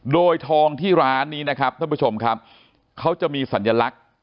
โดยทองที่ร้านนี้นะครับท่านผู้ชมครับเขาจะมีสัญลักษณ์